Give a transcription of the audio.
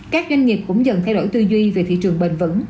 các doanh nghiệp cũng dần thay đổi tư duy về thị trường bền vững